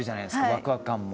ワクワク感も。